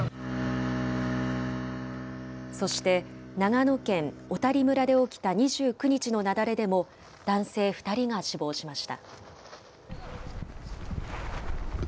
そして長野県小谷村で起きた２９日の雪崩でも、男性２人が死亡しました。